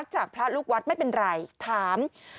จากพระลูกวัดไม่เป็นไรถาม